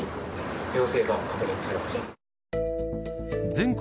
全国